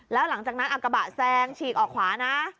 แล้วหลังจากนั้นกระบะแซงฉีกออกขวานะ